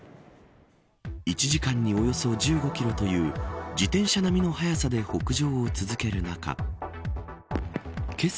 １時間におよそ１５キロという自転車並みの速さで北上を続ける中けさ